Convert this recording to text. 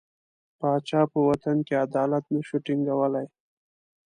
پاچا په وطن کې عدالت نه شو ټینګولای.